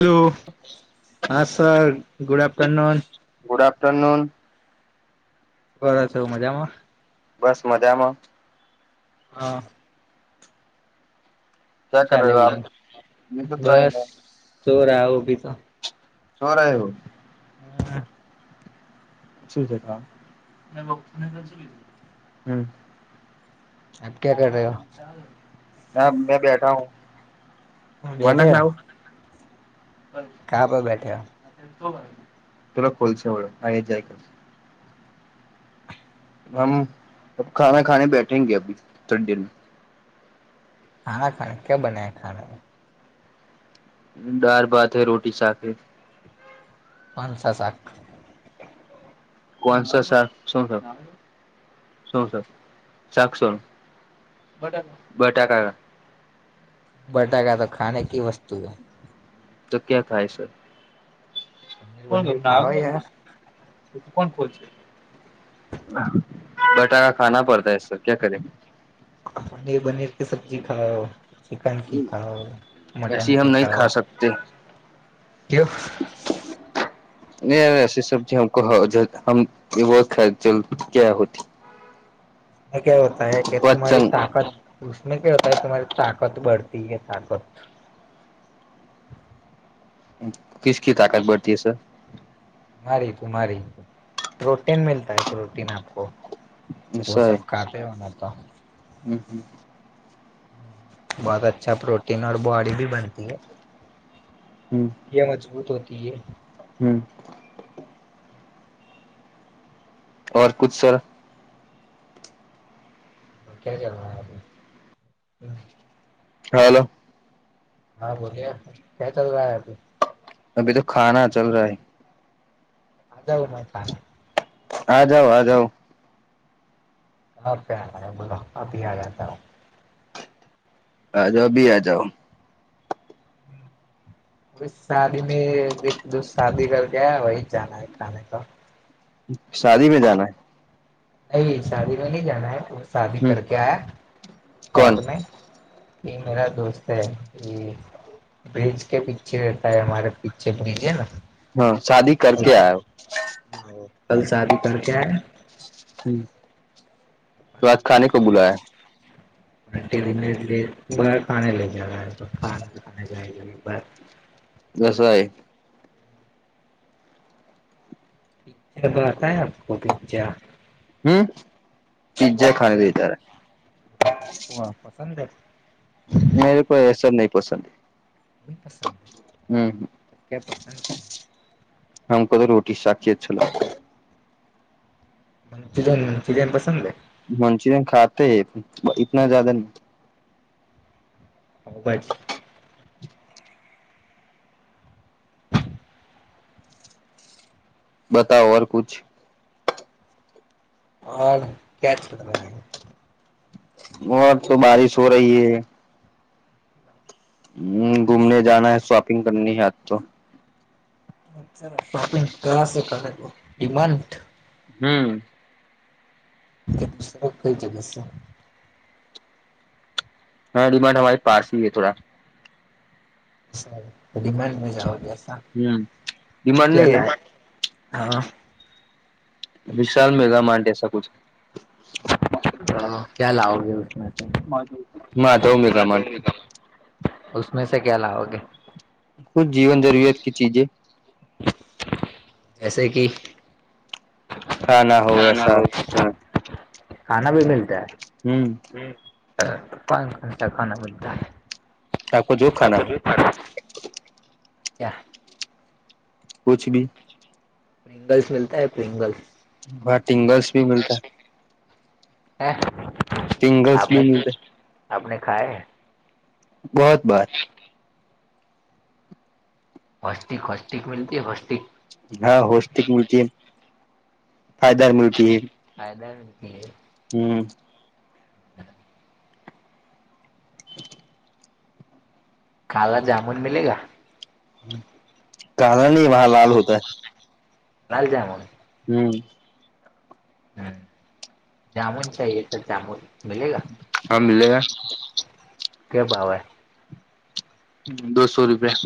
Hello, હા sir good afternoon good, afternoon બ છ, મજામાં બસ મજામાં હા શું ક્યા કર ચાલે રહ્યો આપ બીજું કઈ બસ નઈ શો રહા હું અભી તો શોરા આવવું ના ના છું છે. હમ આપ ક્યા કર રહે હો? હ મે બેઠા હું વર બેઠે નાખ ના હુ હા કાં પર બેઠ્યા તરા કોલશે બરોલો આગે જાય કર [unintelligible] હમ ખા ખાને બેઠેગે અભી થોડી દેર ખા ખા ક્યા બનાયા ખા. ડાર ભત હૈ રોટી સાાખી. પાંચ સા સાખ કોનસો સર શું સર. શું છે, સાસોું બટાકા. બટાકાા તો ખાને કી વસ્તુ હ તો ક્યાં થાય સર પનીર વનીર ખાઓ યાર. કો કોણ કો છે. બટાકા ખા પડતા એ ક્યા કરે. પનીર પનીર કે સબ્જી ખા. ચિકન કે ખાો મટન કે ખાો ક. યાર એસી સબ્જીમ ખ ક્યા હોતી. ક હોતા હે કે તુ્રી તાકાત. મે ક હોતા તુમરી તાકત બઢતી હ તાકત. કસકી તાકાત બડતી હ સર. તુમ્ારી તુમ્ારી પ્રોટન મતા હ પ્રોટન આપકો. વ સબ ખાતે હોના તો. હમ. બહુત અચ્છા પ્રોટન બોડી ભી બનતી હ. હમ. મજબૂત હોતી હ. હમ. કછ સર. ક્યા ચાલ અ હ. હા હલો. હા બોલ્યા ક્યા ચાલ રહા હ અભી. અભી તો ખા ચલ રહા હૈ. હજાવ ખ. આ જાાવ આ જાઉ. બોધા આપ આતા હ. હા જો અભી આ જાઓ. હમ. ી શાદી મે એક દ શાદી કર ગ વહી જ હૈ ખાને ક શાદી મે જાનાૈ નહી શાદી ન ન જા હૈ શાદી કરકે આયા શટ મે. એ મેરા દોસ્ત હૈ એ. ભેજ કે પીછે રહેતા હ હરે પીછે ભેજે. કલ શાદી કર ક્યાયા તો આજ ખાને કો બુલાયા ટ બાર પા લઈ જવા તો ખાય. બસાય પિ્જા તોતા આપકો પિ્જા હમ, પીઝ્જા ખા દઈ ત્યારે. હ પસંદ હો એ સર નહી પોસ ી પસંદ તો ક્યા પસંદ કે્યા હમ ક તો રોટી સાાકીી જ છો. મિન મિજન પસંદ મંચુરિયન ખાતે હૈ તના જદા નહી. હભજ બતાઓ ઔર કુછ હ ક્યા ચલ બર તો બારિશ હો રહી હ હમ ઘૂમને જા હ શોપિંગ કરની હ આજ તો સર શોપિંગ ક શ કરે ડિમાન્ડ હમ દુસરા કઈ જગ હા ડિમાન્ડમારી પાસે હય થોડા મારી મજા આવલી હમ ડિમાડ નહી હે હા વિશાલ મેગા માર્ટેસા ક હ ક્યા લાઓગે ઉમે તોમેગા માટે ઉમેસે ક્યા લાવઓગ ક જીવન જરૂરિયાત કે ચીજે જૈસે કે ખ ખ ભી મલતા હમ પાન ખણસા ખાના બનતા આપકો જો ખા હો હરા ક્યાં કછ ભી પ્રિંગલ્સ મલતા હૈ પ્રિંગલ્સ હ ટિંગલ્સ ભી મલ હ આપ આપને ખાાય બહત બત [inaudible] હસ્તિક હસ્તિક મીતી વસ્તિક હા હોૌષ્ટિક મતી ફાયદાાર મતી હ ફાયદા હમ હ [inaudible] કાલા જામુન મિલેેગ કના ન વહા લાલ હોતા. લાલજામુન હમ હમ જામુન ચાએ તો જામુન મલેગ હા મીલેેગ [inaudible] કે ભાવે હ દોસો રૂપિયા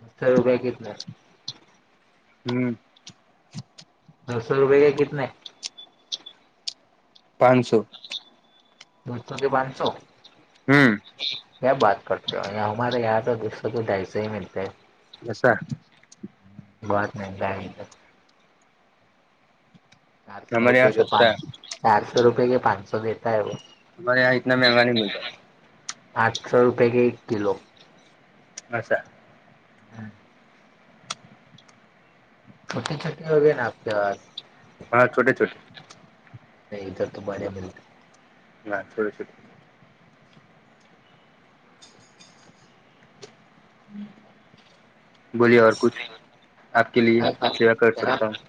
બતર રૂપિયા કેટલા હમ દોસો રૂપે કે કતને પાંચસો દર થ કે બાંધસો હમ કયા બાત કરતો હો હમારે યહા તો [unintelligible] દ ાાઈસે મતે બશ બહોત માંગી હૈ ચારસો રૂપિયા કે પા ચારસો રૂપિયા કે પાંચસો દેતા હૈ વો અમારે યહા ઈતના મંંગાહીં મળતા આઠસો રૂપિયા કે એક કિલો. અચ્છા. હમ. છટી છટી હો આપ તોવા હા છોટે છોટે. નહી ધર તુરે્યા મતા ના છોટે છોટે. બોલીએ ઔર કુછ આપ કે લીએ સેવા કર સકતા હુ.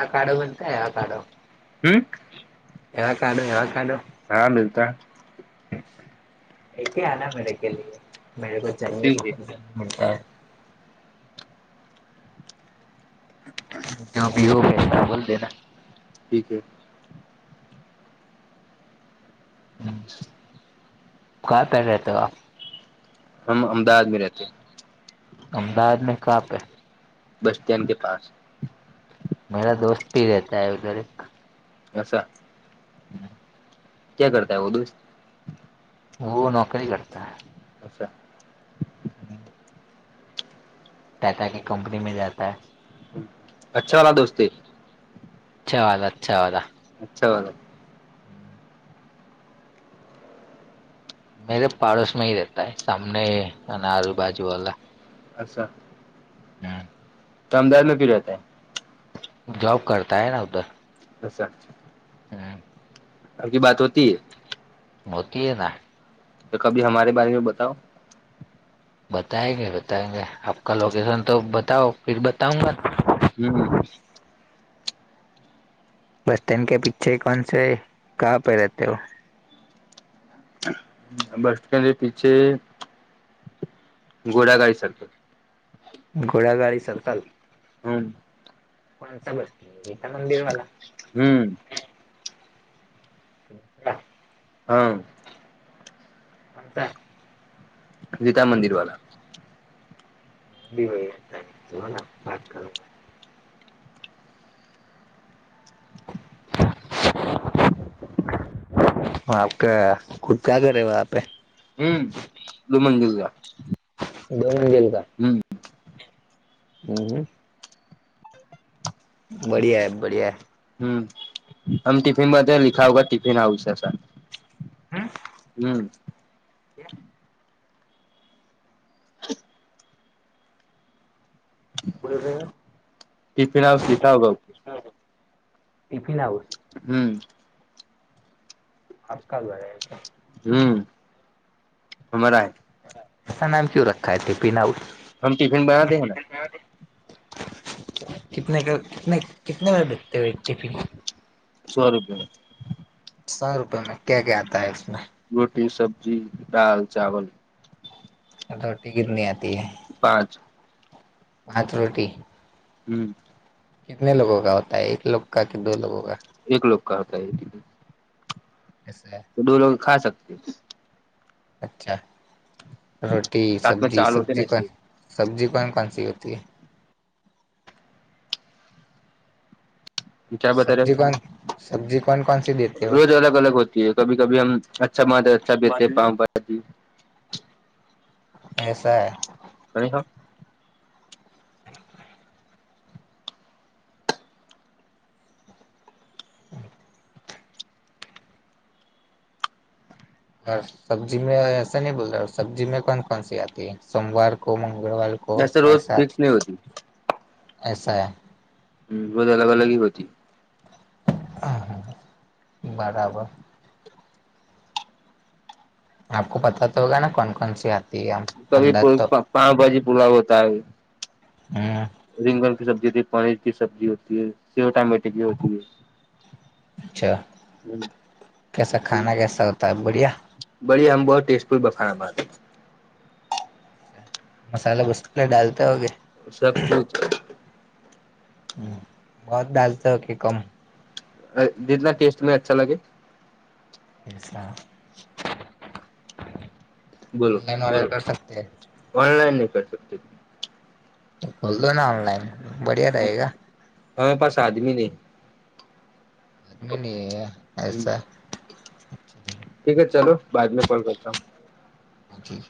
એ કાઢો બનતા એ કાઢો [unintelligible] એવાકાડો એવાકાડો હા મિલતા હે. લ આના મેળ કે લ મેળ ચ [unintelligible] હ. જ બહ બોલ ઠીક હે. હ. ક પર રહેતા હે આપ. હમ અમદાવાદ મે રહેતે. અમદાવાદમાં કહાર પે. બસ સ્ટેન્ડ કે પાાસ. મેરા દોસ્ત ભી રહેતા હ ઉધર એક. અચ્છા. હમ. ક્યા કરતાય વ દોસ્ત. વ નોકરી કરતા હૈ. અચ્છા. હમ. ટાટા કે કંપની મે જાતે હે. અચ્છા વાલા દોસ્ત હૈ. અચ્છા વાલા અચ્છા વાલા. અચ્છા વાલા. હમ. મેરે પાડોસમાં હ રહેતા હ સામને આલુબજુ વાલા અચ્છા. તો અમદાવાદમાં ક્યૂ રહેતા હે. જોબ કરતા હે ના ઉધર. અચ્છા. હા. આપકી બાત હોતી હૈ? હોતી એ ના. તો કભી હમારે બારે માં બતાવ. બતાએગે બતાયગે આપકા લોકેશન તો બતાઓ ફિર બતાઉંગા ના. [unintelligible] બસ સ્ટેન્ડ કે પીછે કોનસે ક પે રહેતે હો બસ સ્ટેન્ડ પીછે ઘોડા ગાાઈસારખ ઘોડાગાડી સરકલ હમ્મ કોણસા બસતી ગીતા મંદિર વાલા હમ્મ [inaudible] હા કોતા [unintelligible] ગીતા મંદિર વાળા વાત કર [inaudible] આપ ક ખુ ક્યા કરેે હમ્મ લુમન જલા દોન ગેલ ક હમ્મ હમ હમ બળિયા બઢિયા હમ આમ ટિફિનમાં અ લીખાવગ ટિફિન આવશે સર હમ્મ કે [unintelligible] [unintelligible] બ ટિફિન આવ લીખા ટિફિન હાઉસ હમ્મ આા ક ગ છે. હમ અમારા હ એસા નામ ક્યુ રખા તે પિનાઉ હમ ટિફિ બના દે ને કટને બર બેખતે હોય ટિફિન સો રૂપિયા સો રૂપેમાં ક્યા ક્યા આતા એમે રોટી સબજી દાલ ચાવલ અ થોટી કતની આતી પાંચ ભાત રોટી હમ્મ કતને લોકો કા હોતા એક લોકો કે દો લગો કા એક લોક કતા એક એ તો દ લોકો ખા સકતે અચ્છા રોટી સબ્જીી સબ્જીી કોણ સબ્જીી કોણ કન સ હોતી હ ચા બતાારે રોજ અલગ અલગ હોતી હાય કભી કભી હમ અચ્છા માવસ્ બે પા એસા કરી હ સબ્જી મે સ ન બોલ સબ્જી મેં કોન કોન સી આતી સોમવાર કો મંગળવાર કો એસ રોજ ફિક્સ નહી હોતી એસા હમ બજ અલગ અલગ હી હોતી. હા હા બરાબર આપકો પતા તો હોગાને કોન કોન સી હત ક પાંચ બાજે પૂરા હોતા હ હમ્મ રીંગન ક સબ્જીતી પનીર ક સબ્જી હોતી સેવ ટમેટ ક હોતી અચ્છા કસા ખા કસા હોતા બઢિયા બળયા હમ બહ ટેસ્ટપુર બફા મસાલલા વસ્લે ડાલતા હોગે સકછ બહત ડાલતા કે કમ જીના ટેસ્ટ મે અચ્છા લગે ઓનલાઈન ઓર્ડર કર સકતે ઓનલાઈન ન કર શકતી ખોલ દો ના ઓનલાઈન બઢિયા રહે ગા હમે પાસ આદમી નહીં આદમી ન એસા ઠીક હ ચાલો બાદ મે કોલ કરતા હ હ જી